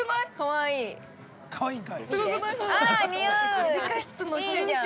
◆いいじゃん！